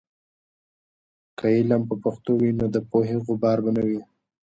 که علم په پښتو وي، نو د پوهې غبار به نه وي.